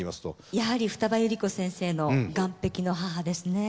やはり二葉百合子先生の『岸壁の母』ですね。